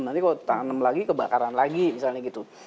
nanti kalau ditanam lagi kebakaran lagi misalnya gitu